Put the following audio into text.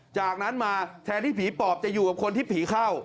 จากนั้นมาแทนที่ผีปอบจะอยู่กับคนที่ผีเข้า